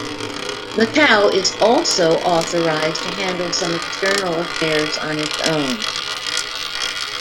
Macau is also authorised to handle some external affairs on its own.